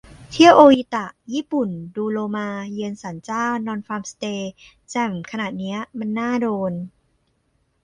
เที่ยวโออิตะ ญี่ปุ่น ดูโลมา เยือนศาลเจ้า นอนฟาร์มสเตย์ แจ่มขนาดนี้มันน่าโดน